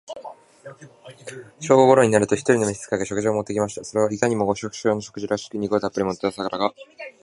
正午頃になると、一人の召使が、食事を持って来ました。それはいかにも、お百姓の食事らしく、肉をたっぶり盛った皿が、